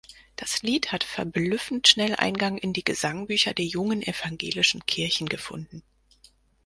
Das Lied hat verblüffend schnell Eingang in die Gesangbücher der jungen evangelischen Kirchen gefunden.